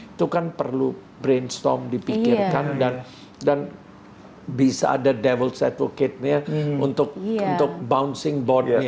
itu kan perlu brainstorm dipikirkan dan bisa ada devil's advocate nya untuk bouncing board nya